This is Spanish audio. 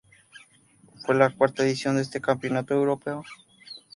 Fue la cuarta edición de este campeonato europeo.